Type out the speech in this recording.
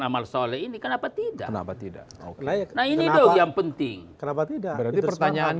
amal soleh ini kenapa tidak oke nah ini tuh yang penting kenapa tidak berarti pertanyaan